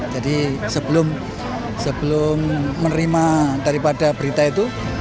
jadi sebelum menerima daripada berita itu